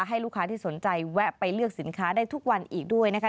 ให้ลูกค้าที่สนใจแวะไปเลือกสินค้าได้ทุกวันอีกด้วยนะคะ